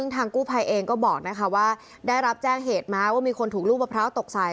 ทางกู้ภัยเองก็บอกนะคะว่าได้รับแจ้งเหตุมาว่ามีคนถูกลูกมะพร้าวตกใส่